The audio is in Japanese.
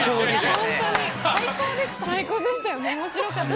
本当に、最高でしたよね、おもしろかった。